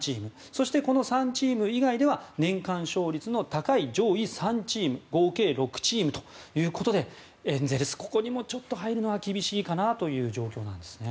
そして、この３チーム以外では年間勝率の高い上位３チーム合計６チームということでエンゼルス、ここにもちょっと入るのは厳しい状況なんです。